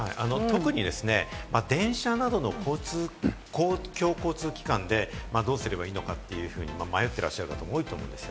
特に電車などの公共交通機関で、どうすればいいのか、迷ってらっしゃる方多いと思います。